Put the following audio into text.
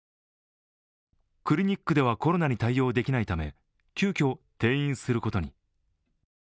クリニックではコロナに対応できないため急きょ、転院することに。